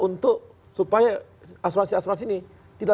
untuk supaya asuransi asuransi ini tidak